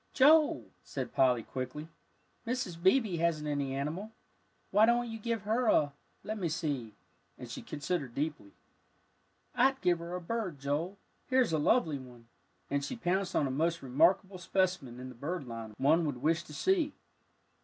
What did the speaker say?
"Joel," said Polly, quickly, "Mrs. Beebe hasn't any animal. Why don't you give her a let me see," and she considered deeply. "I'd give her a bird, Joel, here's a lovely one," and she pounced on a most remarkable specimen in the bird line one would wish to see.